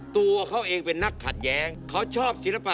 ตัวเขาเองเป็นนักขัดแย้งเขาชอบศิลปะ